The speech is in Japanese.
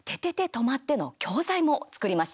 とまって！」の教材も作りました。